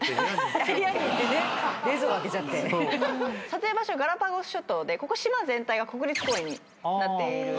撮影場所はガラパゴス諸島でここ島全体が国立公園になっている。